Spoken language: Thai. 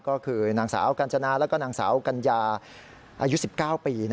ก็คือนางสาวกัญจนาแล้วก็นางสาวกัญญาอายุ๑๙ปี